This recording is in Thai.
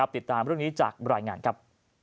ติดตามเรื่องนี้จากรายงานครับ